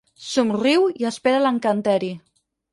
Somriu i espera l'encanteri.